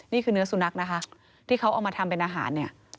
นี่คือเนื้อสุนัขนะคะที่เขาเอามาทำเป็นอาหารเนี่ย